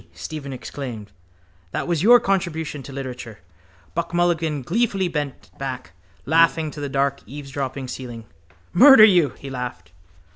Stephen exclaimed. That was your contribution to literature. Buck Mulligan gleefully bent back, laughing to the dark eavesdropping ceiling. —Murder you! he laughed.